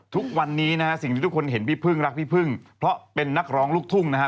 ทุกวันนี้นะฮะสิ่งที่ทุกคนเห็นพี่พึ่งรักพี่พึ่งเพราะเป็นนักร้องลูกทุ่งนะฮะ